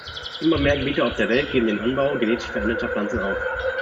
Immer mehr Gebiete auf der Welt geben den Anbau genetisch veränderter Pflanzen auf.